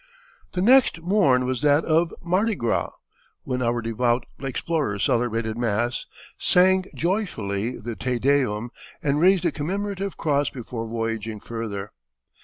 The next morn was that of Mardi Gras, when our devout explorers celebrated mass, sang joyfully the Te Deum and raised a commemorative cross before voyaging further.